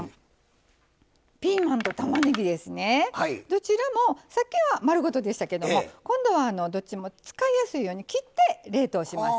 どちらもさっきは丸ごとでしたけども今度はどっちも使いやすいように切って冷凍しますね。